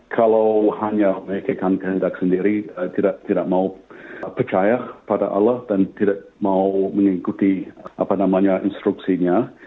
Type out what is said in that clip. kalau hanya mereka yang tidak sendiri tidak mau percaya pada allah dan tidak mau mengikuti instruksinya